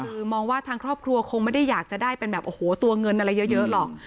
คือมองว่าทางครอบครัวคงไม่ได้อยากจะได้เป็นแบบโอ้โหตัวเงินอะไรเยอะหรอก